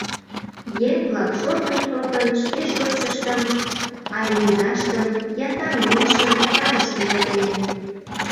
Еҥ-влак, шортын-шортын, шке шочшыштым, але изаштым, я таҥ лийшым сарыш ужатеныт.